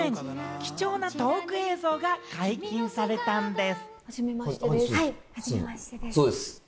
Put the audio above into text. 貴重なトーク映像が解禁されたんです。